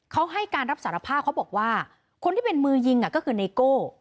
เขาให้การรับสารภาพเขาบอกว่าคนที่เป็นมือยิงก็คือไนโก้